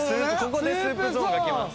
ここでスープゾーンがきます。